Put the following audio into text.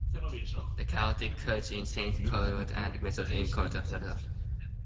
The Catholic church is Saint Columbkilles and the Methodist is First United Methodist Church.